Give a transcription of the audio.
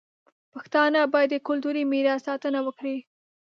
پښتانه باید د کلتوري میراث ساتنه وکړي.